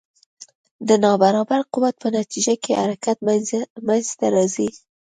د نا برابر قوت په نتیجه کې حرکت منځته راځي.